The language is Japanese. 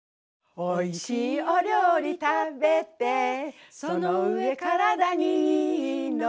「おいしいお料理食べてその上体にいいの」